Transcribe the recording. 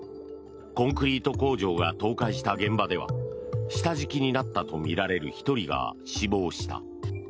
コンクリート工場が倒壊した現場では下敷きになったとみられる１人が死亡した。